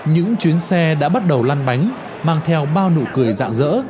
những chuyến xe đã bắt đầu lăn bánh mang theo bao nụ cười dạng dỡ